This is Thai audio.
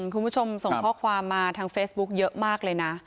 คุณผู้ชมส่งข้อความมาทางเฟซบุ๊คเยอะมากเลยนะ